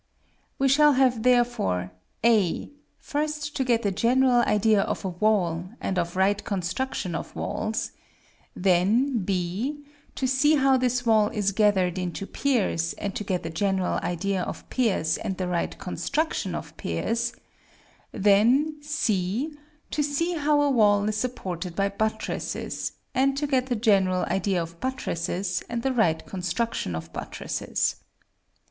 We shall have therefore (A) first to get a general idea of a wall, and of right construction of walls; then (B) to see how this wall is gathered into piers; and to get a general idea of piers and the right construction of piers; then (C) to see how a wall is supported by buttresses, and to get a general idea of buttresses and the right construction of buttresses.